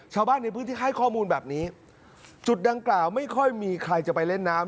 ชาวบ้านในพื้นที่ให้ข้อมูลแบบนี้จุดดังกล่าวไม่ค่อยมีใครจะไปเล่นน้ำ